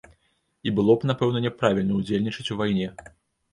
І было б, напэўна, няправільна ўдзельнічаць у вайне.